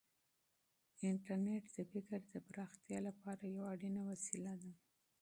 انټرنیټ د فکر د پراختیا لپاره یوه اړینه وسیله ده.